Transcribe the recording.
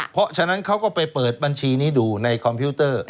เพราะฉะนั้นเขาก็ไปเปิดบัญชีนี้ดูในคอมพิวเตอร์